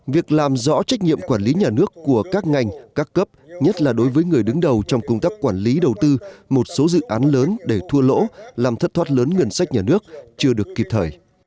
việc làm rõ trách nhiệm quản lý nhà nước của các ngành các cấp nhất là đối với người đứng đầu trong công tác quản lý đầu tư một số dự án lớn để thua lỗ làm thất thoát lớn ngân sách nhà nước chưa được kịp thời